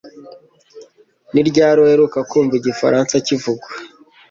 Ni ryari uheruka kumva igifaransa kivugwa